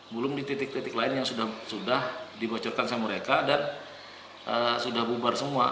belum di titik titik lain yang sudah dibocorkan sama mereka dan sudah bubar semua